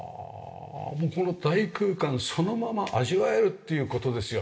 もうこの大空間そのまま味わえるっていう事ですよ。